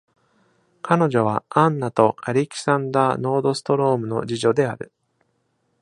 彼女は、アンナとアレキサンダー・ノードストロームの次女である。